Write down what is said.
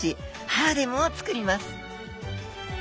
ハーレムをつくります。